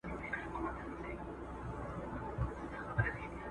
ځوانان د ستونزو پر مهال د ملاتړ غوښتنه وکړي.